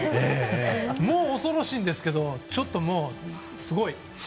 もう恐ろしいんですけどちょっともう、すごい。